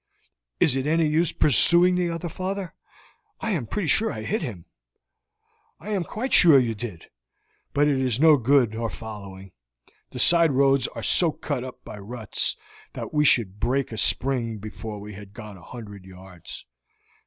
"Is it any use pursuing the other, father? I am pretty sure I hit him." "I am quite sure you did, but it is no good our following; the side roads are so cut up by ruts that we should break a spring before we had gone a hundred yards.